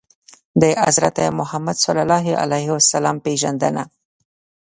د حضرت محمد ﷺ پېژندنه